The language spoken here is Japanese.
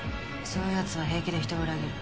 そういうやつは平気で人を裏切る。